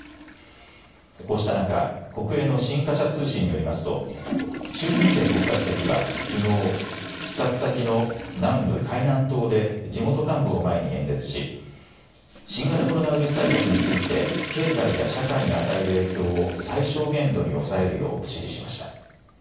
こうした中、国営の新華社通信によりますと習近平国家主席は、きのう視察先の南部海南島で地元幹部を前に演説し、新型コロナウイルス対策について経済や社会に与える影響を最小限度に抑えるよう指示しました。